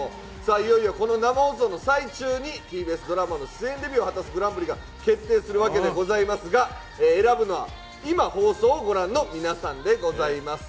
いよいよ、この生放送の最中にＴＢＳドラマの主演デビューをするグランプリが決定するわけでございますが、選ぶのは今、放送をご覧の皆さんでございます。